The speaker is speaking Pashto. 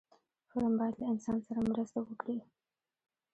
فلم باید له انسان سره مرسته وکړي